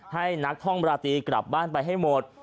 ให้นักท่องราตรีกลับบ้านไปให้หมด